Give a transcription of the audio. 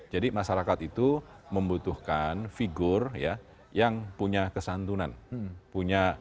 jadi masyarakat itu membutuhkan figur yang punya kesantunan